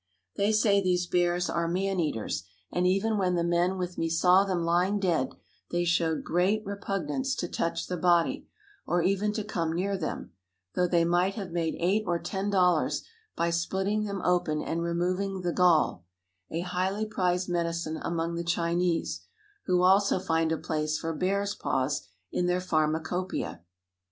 They say these bears are man eaters, and even when the men with me saw them lying dead they showed great repugnance to touch the body, or even to come near them; though they might have made eight or ten dollars by splitting them open and removing the gall a highly prized medicine among the Chinese, who also find a place for bears' paws in their pharmacopoeia.